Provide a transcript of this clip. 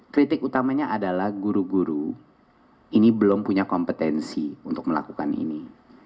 kritik utamanya adalah guru guru ini belum punya kompetensi untuk melakukan ini